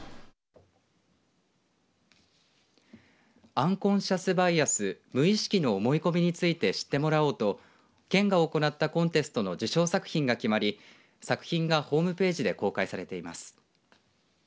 アンコンシャス・バイアス無意識の思い込みについて知ってもらおうと県が行ったコンテストの受賞作品が決まり作品がホームページで公開されています。